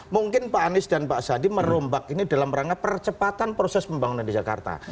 mungkin pak anies dan pak sandi merombak ini dalam rangka percepatan proses pembangunan di jakarta